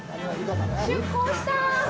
出港した。